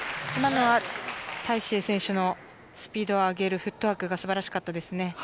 今のはタイ・シエイ選手のスピードを上げるフットワークが素晴らしかったですね。